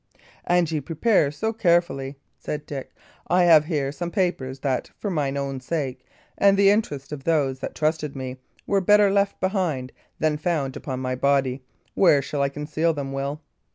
"An ye prepare so carefully," said Dick, "I have here some papers that, for mine own sake, and the interest of those that trusted me, were better left behind than found upon my body. Where shall I conceal them, Will?"